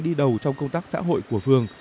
đi đầu trong công tác xã hội của phường